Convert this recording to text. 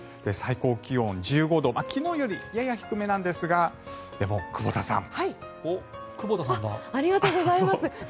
最高気温１５度昨日よりやや低めなんですがお、久保田さんだ。ありがとうございます。